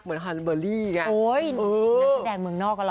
เหมือนฮาร์ลิเบอร์รี่ไงโอ้ยนักแสดงเมืองนอกก็เหรอ